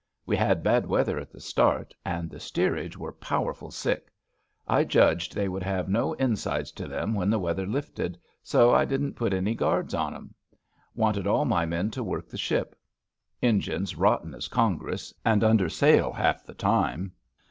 We had bad weather at the start, and the steerage were powerful sick. I judged they would have no in sides to them when the weather lifted, so I didn't put any guards on them. Wanted all my men to work the ship. Engines rotten as Congress, and under sail half the time.